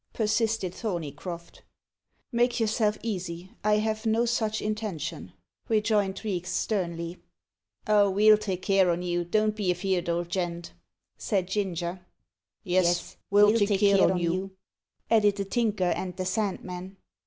persisted Thorneycroft. "Make yourself easy; I have no such intention," rejoined Reeks sternly. "Oh! ve'll take care on you, don't be afeerd, old gent," said Ginger. "Yes, ve'll take care on you," added the Tinker and the Sandman.